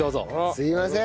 すいません。